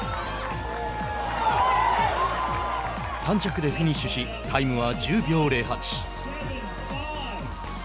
３着でフィニッシュしタイムは１０秒０８。